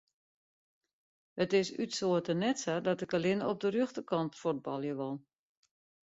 It is út soarte net sa dat ik allinne op de rjochterkant fuotbalje wol.